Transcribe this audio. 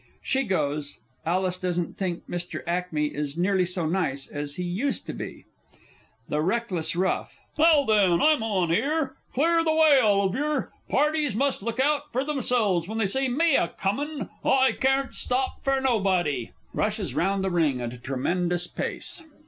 [She goes; ALICE doesn't think MR. A. is "nearly so nice as he used to be." THE RECKLESS ROUGH. Now then, I'm on 'ere. Clear the way, all of yer! Parties must look out fur themselves when they see me a comin', I carn't stop fur nobody! [_Rushes round the ring at a tremendous pace.